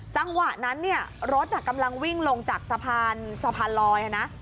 จังหวะนั้นเนี่ยรถกำลังวิ่งลงจากสะพานสะพานลอยนะ